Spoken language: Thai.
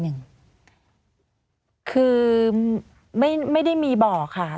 คือไม่ได้มีบ่อค่ะ